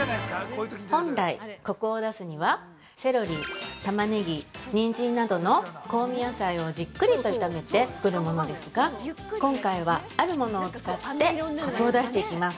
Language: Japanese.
◆本来、コクを出すにはセロリ、タマネギニンジンなどの香味野菜をじっくりと炒めて作るものですが今回は、あるものを使ってコクを出していきます。